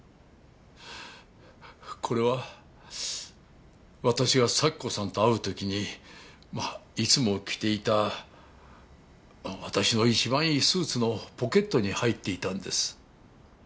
これは私がサキ子さんと会う時にいつも着ていた私の一番いいスーツのポケットに入っていたんです。